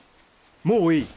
もういい。